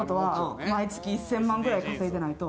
毎月１０００万くらい稼いでないと。